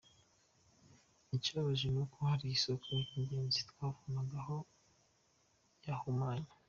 Ikibabaje ni uko ari isoko y’ingenzi twavomagaho yahumanye.